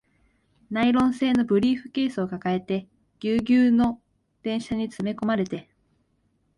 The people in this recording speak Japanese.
ナイロン製のブリーフケースを抱えて、ギュウギュウの電車に詰め込まれて